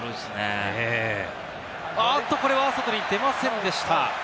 これは外に出ませんでした。